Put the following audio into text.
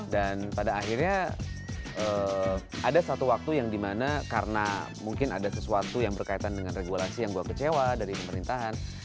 pada akhirnya ada satu waktu yang dimana karena mungkin ada sesuatu yang berkaitan dengan regulasi yang gue kecewa dari pemerintahan